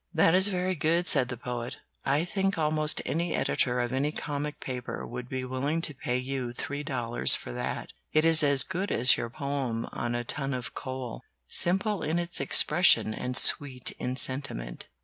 "That is very good," said the Poet. "I think almost any editor of any comic paper would be willing to pay you three dollars for that. It is as good as your poem on a ton of coal simple in its expression and sweet in sentiment."